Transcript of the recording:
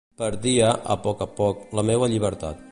Perdia, a poc a poc, la meua llibertat.